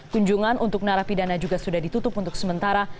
kunjungan untuk narapidana juga sudah ditutup untuk sementara